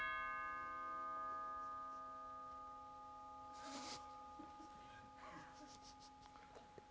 フフフ。